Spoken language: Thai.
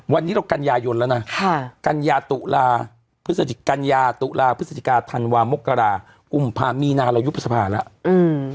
วันนี้เรากันยายนแล้วนะกันยาตุลาพฤศจิกาธันวามกราอุมภามีนารยุปสภาแล้ว